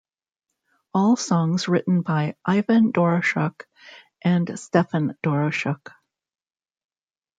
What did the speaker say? All songs written by Ivan Doroschuk and Stefan Doroschuk.